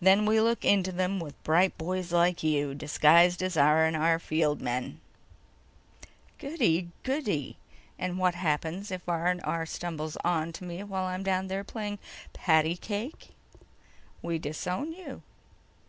"Then we look into them with bright boys like you—disguised as R&R field men." "Goody, goody. And what happens if R&R stumbles onto me while I'm down there playing patty cake?" "We disown you."